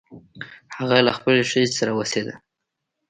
هغه له خپلې ښځې سره اوسیده.